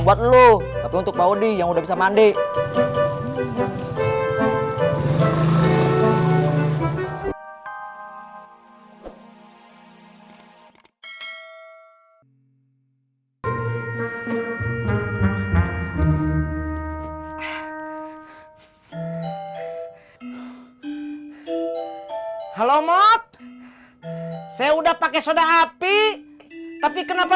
lu tapi untuk pak odi yang udah bisa mandi halo mod saya udah pakai soda api tapi kenapa